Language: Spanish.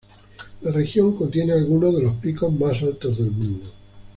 La región contiene algunos de los picos más altos del mundo.